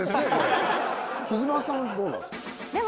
貴島さんどうなんですか？